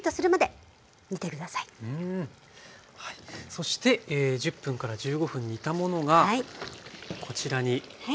そして１０分から１５分煮たものがこちらにありますね。